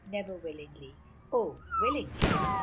"Never, willingly." "Oh, willingly!"